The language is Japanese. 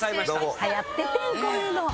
流行っててんこういうの。